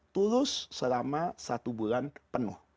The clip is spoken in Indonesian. tulus selama satu bulan penuh